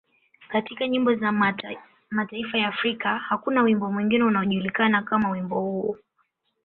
Katika nyimbo za mataifa ya Afrika, hakuna wimbo mwingine unaojulikana kama wimbo huo.